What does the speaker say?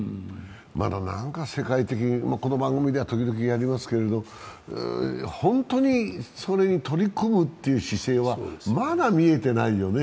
世界的に、この番組では時々やりますけれども、本当にそれに取り組むという姿勢はまだ見えてないよね。